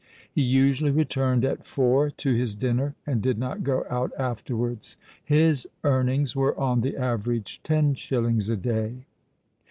He usually returned at four to his dinner, and did not go out afterwards. His "earnings" were on the average ten shillings a day.